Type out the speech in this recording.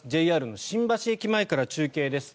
ＪＲの新橋駅前から中継です。